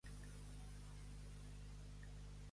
Els ulls se'n van vers el que els atrau.